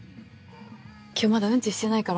今日まだうんちしてないから。